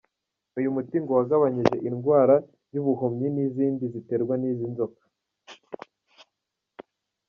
Uyu muti ngo wagabanyije indwara y’ubuhumyi n’izindi ziterwa n’izi nzoka.